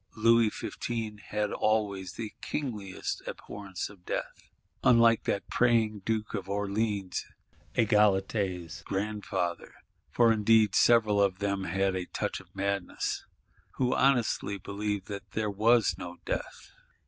Louis XV. had always the kingliest abhorrence of Death. Unlike that praying Duke of Orleans, Egalité's grandfather,—for indeed several of them had a touch of madness,—who honesty believed that there was no Death!